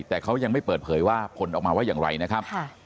แต่เขายังไม่เปิดเผยว่าผลออกมาว่าอย่างไรนะครับ